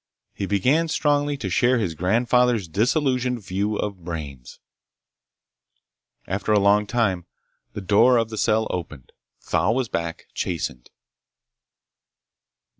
He began strongly to share his grandfather's disillusioned view of brains. After a long time the door of the cell opened. Thal was back, chastened.